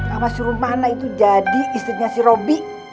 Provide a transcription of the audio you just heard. sama si romana itu jadi istrinya si robi